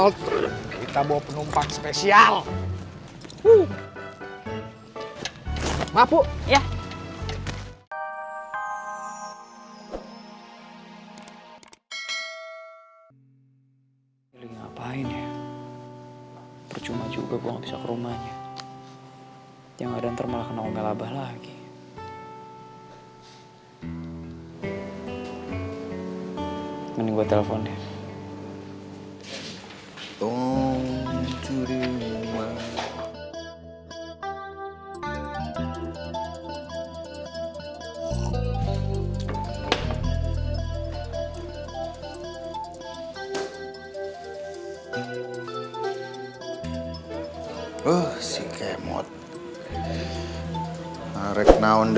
sampai jumpa di video selanjutnya